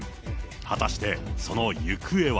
果たしてその行方は。